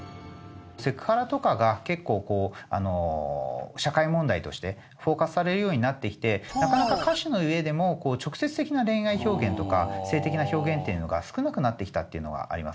セクハラとかが結構こう社会問題としてフォーカスされるようになってきてなかなか歌詞のうえでも直接的な恋愛表現とか性的な表現っていうのが少なくなってきたっていうのはあります。